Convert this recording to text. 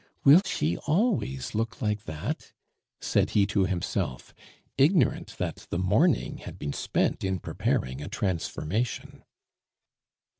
"Will she always look like that?" said he to himself, ignorant that the morning had been spent in preparing a transformation.